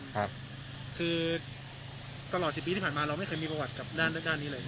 คือตลอด๑๐ปีที่ผ่านมาเราไม่เคยมีประวัติกับด้านนี้เลย